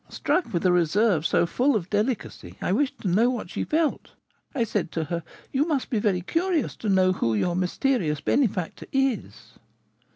Struck with a reserve so full of delicacy, I wished to know what she felt. I said to her, 'You must be very curious to know who your mysterious benefactor is?'